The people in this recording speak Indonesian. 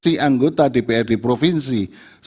kursi anggota dpr di provinsi